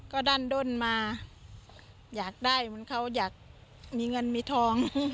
ก็ดั้นด้นมาอยากได้เหมือนเขาอยากมีเงินมีทอง